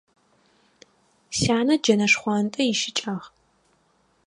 Сянэ джэнэ шхъуантӏэ ищыкӏагъ.